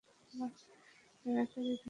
তাড়াতাড়ি, ধরো।